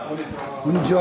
こんにちは。